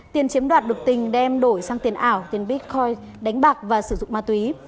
tiền chiếm đoạt được tình đem đổi sang tiền ảo tiền bitcoin đánh bạc và sử dụng ma túy